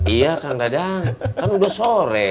iya kang dadang kan udah sore